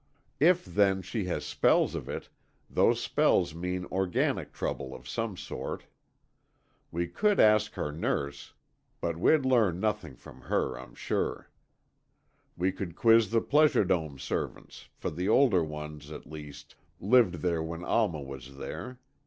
If, then, she has spells of it, those spells mean organic trouble of some sort. We could ask her nurse, but we'd learn nothing from her, I'm sure. We could quiz the Pleasure Dome servants, for the older ones, at least, lived there when Alma was there.